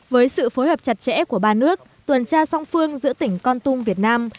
với sự phối hợp chặt chẽ của ba nước tuần tra song phương giữa tỉnh con tum việt nam